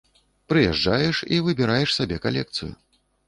Прыязджаеш і выбіраеш сабе калекцыю.